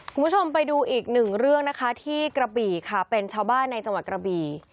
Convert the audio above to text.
คุณผู้ชมไปดูอีกหนึ่งเรื่องนะคะที่กระบี่ค่ะเป็นชาวบ้านในจังหวัดกระบี่